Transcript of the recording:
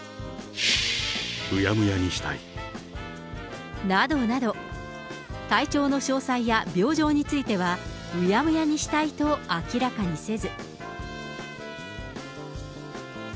うやむやにしたい。などなど、体調の詳細や病状については、うやむやにしたいと明らかにせず。